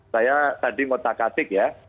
saya tadi ngotak atik ya